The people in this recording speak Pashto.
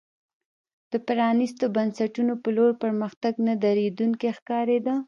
د پرانیستو بنسټونو په لور پرمختګ نه درېدونکی ښکارېده.